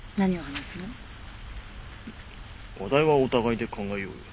話題はお互いで考えようよ。